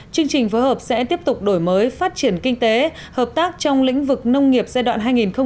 chương trình phối hợp sẽ tiếp tục đổi mới phát triển kinh tế hợp tác trong lĩnh vực nông nghiệp giai đoạn hai nghìn một mươi sáu hai nghìn hai mươi